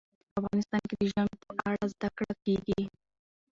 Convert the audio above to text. افغانستان کې د ژمی په اړه زده کړه کېږي.